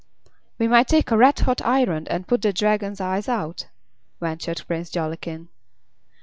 "We might take a red hot iron, and put the Dragon's eyes out," ventured Prince Jollikin.